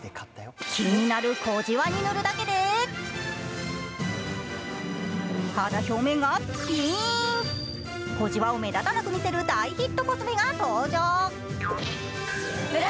気になる小じわに塗るだけで、肌表面がぴーん、小じわを目立たなく見せる大ヒットコスメが登場。